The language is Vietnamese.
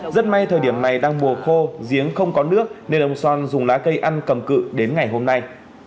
rất may thời điểm này đang mùa khô giếng không có nước nên ông son dùng lá cây ăn cầm cự đến ngày hôm nay